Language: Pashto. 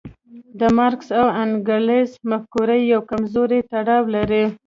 د مارکس او انګلز مفکورې یو کمزوری تړاو لري.